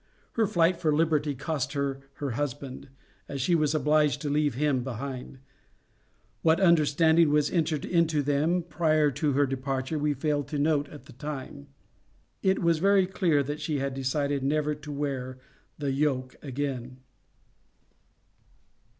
Her flight for liberty cost her her husband, as she was obliged to leave him behind. What understanding was entered into between them prior to her departure we failed to note at the time. It was very clear that she had decided never to wear the yoke again.